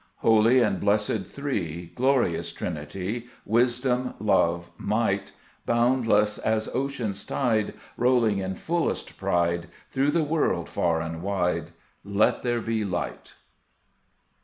Holy and blessed Three, Glorious Trinity, Wisdom, Love, Might ! Boundless as ocean's tide Rolling in fullest pride Through the world, far and wide, Let there be light.